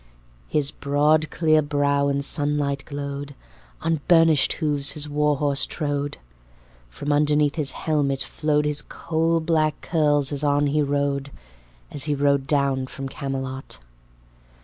His broad clear brow in sunlight glowed. On burnished hooves his warhorse trode. From underneath his helmet flowed His coalblack curls, as on he rode, As he rode down from Camelot.